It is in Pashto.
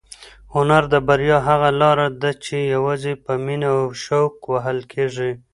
هنر د بریا هغه لاره ده چې یوازې په مینه او شوق وهل کېږي.